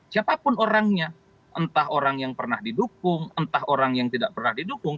siapapun orangnya entah orang yang pernah didukung entah orang yang tidak pernah didukung